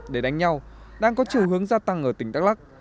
để đánh nhau đang có chiều hướng gia tăng ở tỉnh đắk lắc